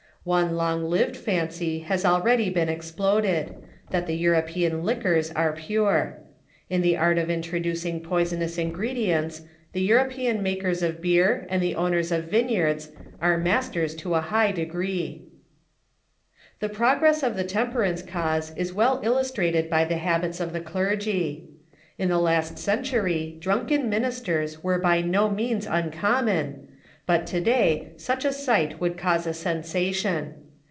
One long lived fancy has already been exploded — that the European liquors are pure. In the art of introducing poisonous ingredients the European makers of beer and the owners of vineyards are masters to a high degree. The progress of the temperance cause is well illustrated by the habits of the clergy. In the last centuiy drunken minis ters were by no means uncommon, but to day such a sight would cause a sensation.